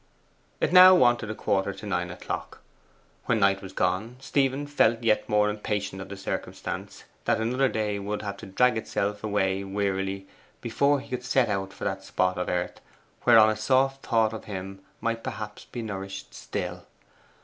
It now wanted a quarter to nine o'clock. When Knight was gone, Stephen felt yet more impatient of the circumstance that another day would have to drag itself away wearily before he could set out for that spot of earth whereon a soft thought of him might perhaps be nourished still.